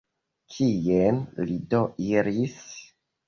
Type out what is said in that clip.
Kien li do iris?